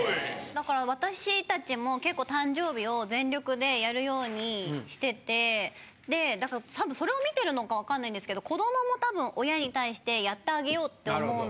だから私たちも結構誕生日を全力でやるようにしててでだからそれを見てるのか分かんないですけど子どもも多分親に対してやってあげようって思うのか